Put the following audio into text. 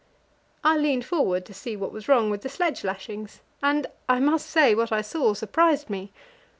I leaned forward to see what was wrong with the sledge lashings, and, I must say, what I saw surprised me.